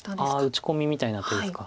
打ち込みみたいな手ですか。